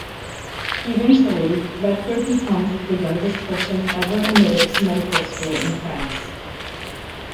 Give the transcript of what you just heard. Eventually, Lecter becomes the youngest person ever admitted to medical school in France.